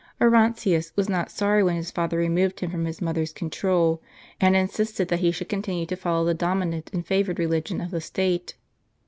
Orontius was not sorry when his father removed him from his mother's control, and insisted that he should continue to follow the dominant and favored religion of the state.